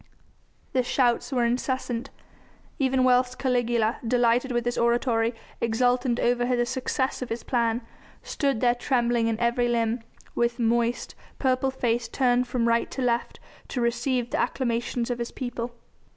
The shouts were incessant, even whilst Caligula, delighted with his oratory, exultant over the success of his plan, stood there trembling in every limb, with moist, purple face turned from right to left to receive the acclamations of his people.